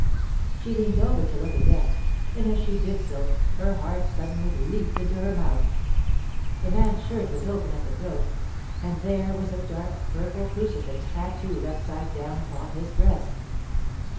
She leaned over to look again, and as she did so her heart suddenly leaped into her mouth. The man's shirt was open at the throat, and there was a dark purple crucifix tattooed upside down upon his breast.